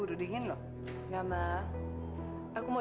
terima kasih mas